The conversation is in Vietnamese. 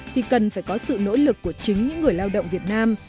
thì cần phải có sự nỗ lực của chính những người lao động việt nam